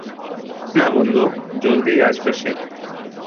না বন্ধু, জলদিই আসবে সে।